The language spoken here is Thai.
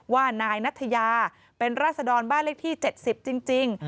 ว่านายนัทยาเป็นราศดรบ้านเลขที่๗๐จริง